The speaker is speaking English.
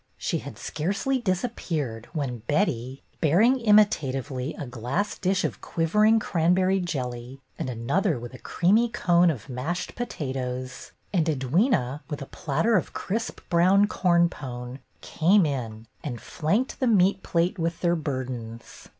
She had scarcely disappeared when Betty, bearing imitatively a glass dish of quivering cranberry jelly and another with a creamy cone of mashed potatoes, and Edwyna, with a platter of crisp brown corn pone, came in, and flanked the meat plate with their burdens.